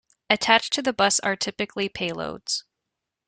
Attached to the bus are typically payloads.